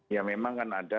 ya memang kan ada